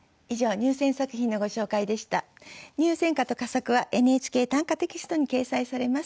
入選歌と佳作は「ＮＨＫ短歌」テキストに掲載されます。